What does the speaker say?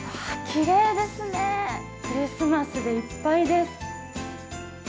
きれいですね、クリスマスでいっぱいです。